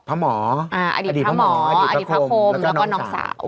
พระหมออดีตพระหมออดีตพระพรมแล้วก็น้องสาว